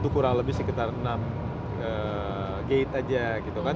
kurang lebih sekitar enam gate aja gitu kan